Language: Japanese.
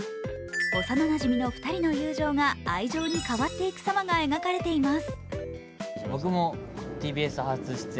幼なじみの２人の友情が、愛情に変わっていく様が描かれています。